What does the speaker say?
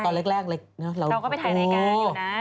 สวัสดีค่าข้าวใส่ไข่